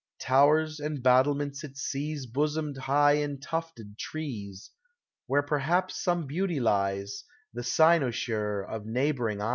Towers and battlements it sees Bosomed high in tufted trees, Where perhaps some beauty lies, The cynosure of neighboring eyes.